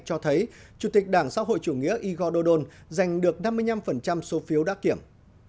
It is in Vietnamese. cho thấy chủ tịch đảng xã hội chủ nghĩa igor don giành được năm mươi năm số phiếu đã kiểm